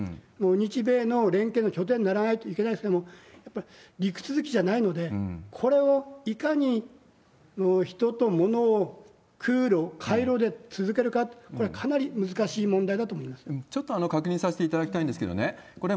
日米の連携の拠点にならないといけない、陸続きじゃないので、これをいかに人と物を空路、海路で続けるか、これはかなり難しい問ちょっと確認させていただきたいんですけどね、これ、